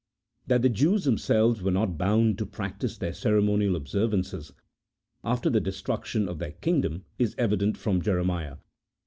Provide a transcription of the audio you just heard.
That the Jews themselves were not bound to practise their ceremonial observances after the destruction of their kingdom is evident from Jeremiah.